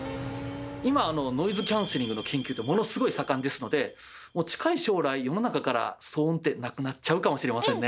今ノイズキャンセリングの研究ってものすごい盛んですのでもう近い将来世の中から騒音ってなくなっちゃうかもしれませんね。